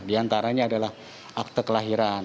di antaranya adalah akte kelahiran